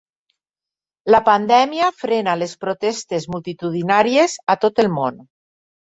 La pandèmia frena les protestes multitudinàries a tot el món.